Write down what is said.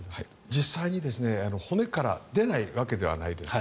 実際に骨から出ないわけではないです。